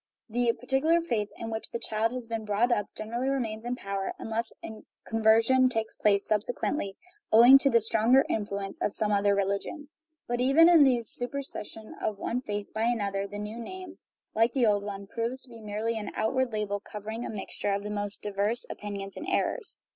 The particular faith in which the child has been brought up generally remains in power, unless a "conversion" takes place subsequently, owing to the stronger influ ence of some other religion. But even in this superses sion of one faith by another the new name, like the old one, proves to be merely an outward label covering a 286 GOD AND THE WORLD mixture of the most diverse opinions and errors.